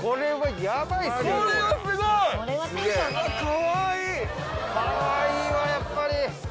かわいいわやっぱり。